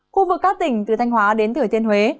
khu vực các tỉnh từ thanh hóa đến thửa tiên huế